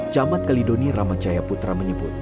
camat kalidoni ramajaya putra menyebut